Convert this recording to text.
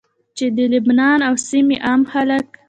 چې د لبنان او سيمي عامه خلک